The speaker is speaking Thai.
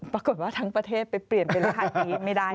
ปรากฏว่าทั้งประเทศไปเปลี่ยนเป็นราคาดีไม่ได้